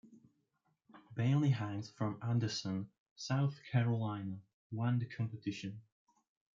Bailey Hanks from Anderson, South Carolina, won the competition.